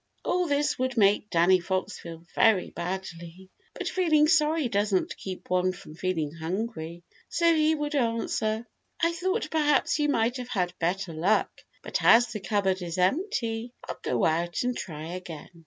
All this would make Danny Fox feel very badly. But feeling sorry doesn't keep one from feeling hungry. So he would answer, "I thought perhaps you might have had better luck, but as the cupboard is empty, I'll go out and try again."